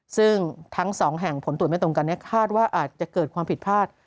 ซึ่งทั้งสองแห่งผลตรวจไม่ตรงกันคาดว่าอาจจะเกิดความผิดพลาด